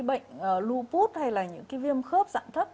bệnh lupus hay là những cái viêm khớp dạng thấp